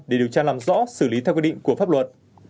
để điều tra làm rõ xử lý theo quy định của pháp luật